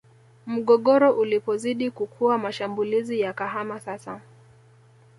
Mgogoro ulipozidi kukua mashambulizi yakahama sasa